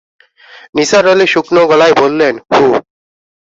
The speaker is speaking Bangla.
নিসার আলি শুকনো গলায় বললেন, হুঁ।